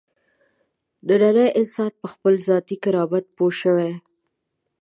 نننی انسان په خپل ذاتي کرامت پوه شوی.